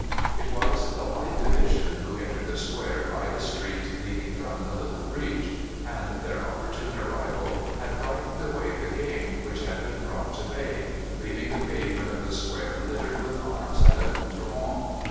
It was the Light Division who entered the square by a street leading from the little breach, and their opportune arrival had frightened away the game which had been brought to bay, leaving the pavement of the square littered with arms and accoutrements.